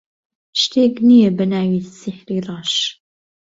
شتێک نییە بە ناوی سیحری ڕەش.